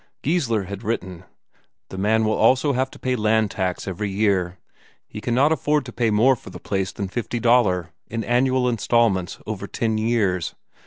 Geissler had written: "The man will also have to pay land tax every year; he cannot afford to pay more for the place than fifty Daler, in annual instalments over ten years.